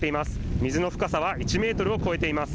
水の深さは１メートルを超えています。